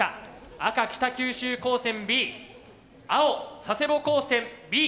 赤北九州高専Ｂ青佐世保高専Ｂ